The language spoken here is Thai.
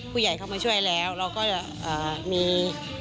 ผู้ใหญ่เข้ามาช่วยแล้วเราก็จะมี